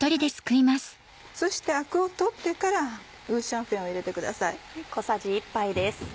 そしてアクを取ってから五香粉を入れてください。